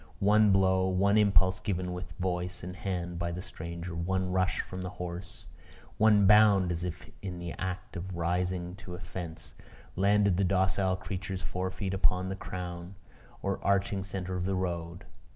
One blow, one impulse given with voice and hand by the stranger, one rush from the horse, one bound as if in the act of rising to a fence, landed the docile creature's forefeet upon the crown or arching centre of the road.